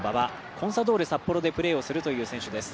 コンサドーレ札幌でプレーをするという選手です。